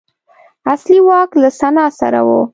اصلي واک له سنا سره و